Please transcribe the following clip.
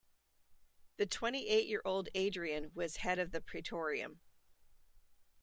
The twenty-eight-year-old Adrian was head of the praetorium.